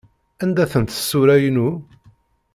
Anda-tent tsura-inu?